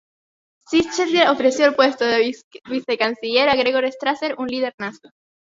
Schleicher ofreció el puesto de Vice-Canciller a Gregor Strasser, un líder nazi.